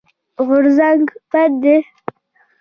غورځنګ بد دی.